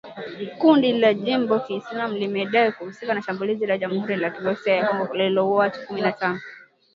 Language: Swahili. Kundi la Jimbo Kiislamu limedai kuhusika na shambulizi la Jamhuri ya Kidemokrasia ya Kongo lililouwa watu kumi na tano